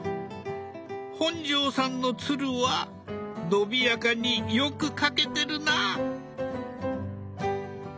本上さんの鶴は伸びやかによく描けてるな。